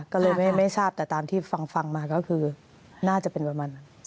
ก็เลยไม่ทราบแต่ตามที่ฟังมาก็คือน่าจะเป็นประมาณนั้น